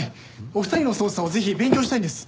お二人の捜査をぜひ勉強したいんです。